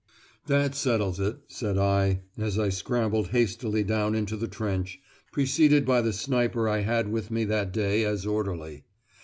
"That settles it," said I, as I scrambled hastily down into the trench, preceded by the sniper I had with me that day as orderly.